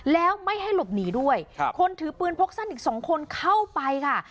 แล้วไม่ให้หลบหนีด้วยครับคนถือปืนพกสั้นอีกสองคนเข้าไปค่ะ